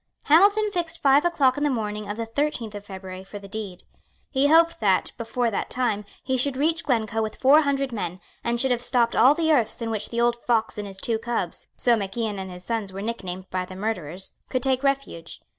Hamilton fixed five o'clock in the morning of the thirteenth of February for the deed. He hoped that, before that time, he should reach Glencoe with four hundred men, and should have stopped all the earths in which the old fox and his two cubs, so Mac Ian and his sons were nicknamed by the murderers, could take refuge.